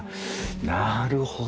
なるほど。